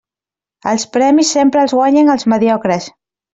Els premis sempre els guanyen els mediocres.